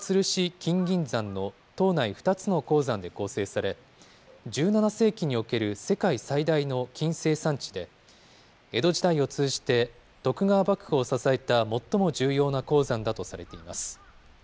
金銀山の島内２つの鉱山で構成され、１７世紀における世界最大の金生産地で、江戸時代を通じて、徳川幕府を支えた最も重要な鉱山だとされています。